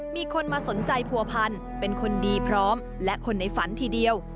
มีคนมาสนใจผัวพันเป็นคนดีพร้อมและคนในฝันทีเดียว